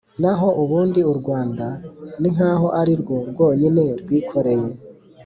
Naho ubundi u Rwanda ni nkaho ari rwo rwonyine rwikoreye